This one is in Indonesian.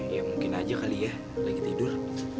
ya mungkin aja kali ya lagi tidur